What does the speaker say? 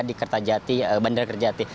di bandar kerjati